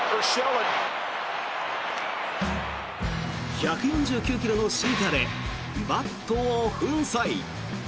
１４９ｋｍのシンカーでバットを粉砕。